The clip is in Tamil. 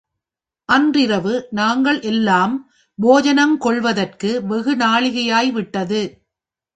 அன்றிரவு நாங்கள் எல்லாம் போஜனங் கொள்வதற்கு வெகு நாழிகையாய் விட்டது.